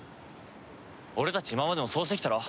俺たち今までもそうしてきたろ。